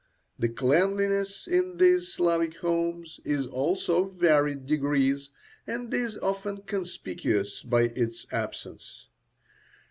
The cleanliness in these Slavic homes is also of varied degrees, and is often conspicuous by its absence.